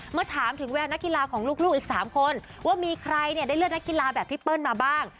เมื่อถามถึงแววนักกีฬาของลูกอีก๓คนว่ามีใครเนี่ยได้เลือกนักกีฬาแบบพี่เปิ้ลมาบ้าง